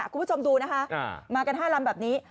คุณผู้ชมดูนะคะมากัน๕ลำแบบนี้